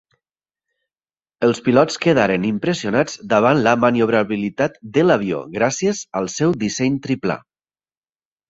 Els pilots quedaren impressionats davant de la maniobrabilitat de l'avió, gràcies al seu disseny triplà.